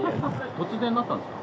突然なったんですか？